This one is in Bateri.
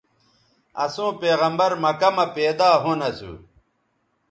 اَسوں پیغمبرؐ مکہ مہ پیدا ھُون اَسو